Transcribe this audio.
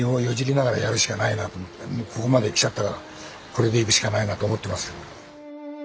もうここまできちゃったからこれでいくしかないなと思ってますけど。